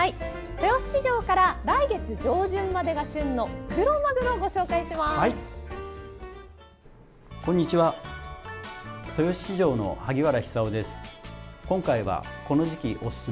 豊洲市場から来月上旬までが旬のクロマグロをご紹介します。